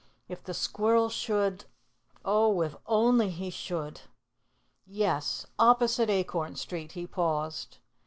If the squirrel should oh, if only he should ! Yes, opposite Acorn Street he paused.